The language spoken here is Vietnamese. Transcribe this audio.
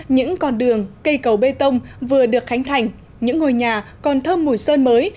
những con đường cây cầu bê tông vừa được khánh thành những ngôi nhà còn thơm mùi sơn mới